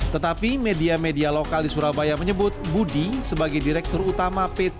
tetapi media media lokal di surabaya menyebut budi sebagai direktur utama pt